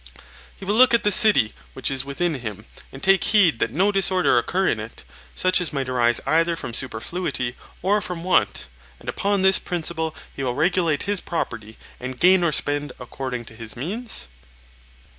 He will look at the city which is within him, and take heed that no disorder occur in it, such as might arise either from superfluity or from want; and upon this principle he will regulate his property and gain or spend according to his means.